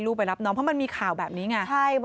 รับน้องน่ารักมากเลย